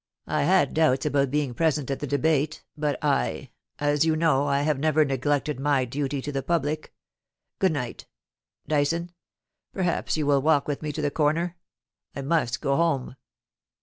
I had doubts about being present at the debate, but I — as you know — I have never neglected my duty to the public Good night ! Dyson, perhaps you will walk with me to the comer. I must go home.